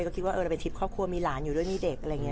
ก็คิดว่าเราเป็นทริปครอบครัวมีหลานอยู่ด้วยมีเด็กอะไรอย่างนี้